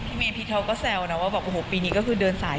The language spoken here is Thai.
พี่เมย์พี่เขาก็แซวนะว่าบอกโอ้โหปีนี้ก็คือเดินสาย